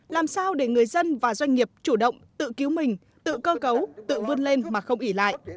làm sao để người dân và doanh nghiệp chủ động tự cứu mình tự cơ cấu tự vươn lên mà không ỉ lại